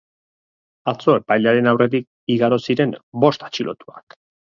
Atzo epailearen aurretik igaro ziren bost atxilotuak.